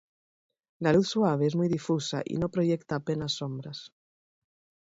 La luz suave es muy difusa y no proyecta apenas sombras.